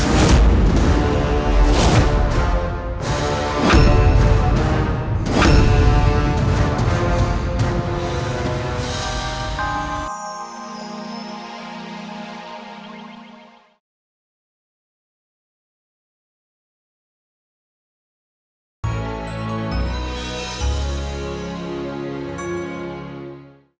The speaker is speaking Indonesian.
kau akan mencarikan saripati kehidupan